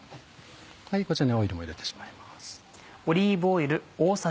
こちらにオイルも入れてしまいます。